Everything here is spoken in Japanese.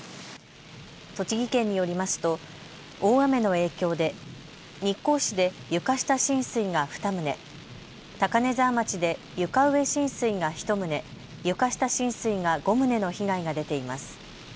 栃木県によりますと大雨の影響で日光市で床下浸水が２棟、高根沢町で床上浸水が１棟、床下浸水が５棟の被害が出ています。